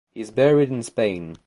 He is buried in Spain.